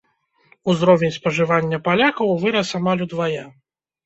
Узровень спажывання палякаў вырас амаль удвая.